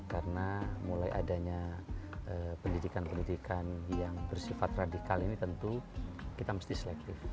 karena mulai adanya pendidikan pendidikan yang bersifat radikal ini tentu kita mesti selektif